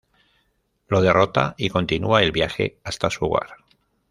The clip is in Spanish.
Lo derrota y continua el viaje hasta su hogar.